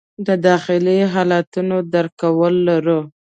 د داخلي حالتونو درک کول لرو.